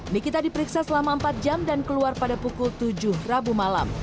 nikita diperiksa selama empat jam dan keluar pada pukul tujuh rabu malam